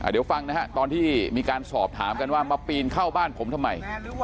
เดี๋ยวฟังนะฮะตอนที่มีการสอบถามกันว่ามาปีนเข้าบ้านผมทำไม